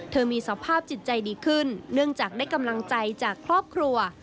มีสภาพจิตใจดีขึ้นเนื่องจากได้กำลังใจจากครอบครัว